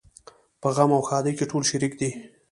په غم او ښادۍ کې ټول شریک دي.